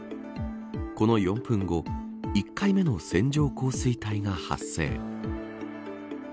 この４分後１回目の線状降水帯が発生。